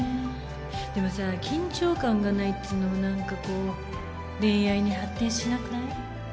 でもさ緊張感がないっつうのも何かこう恋愛に発展しなくない？